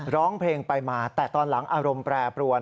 ร้องเพลงไปมาแต่ตอนหลังอารมณ์แปรปรวน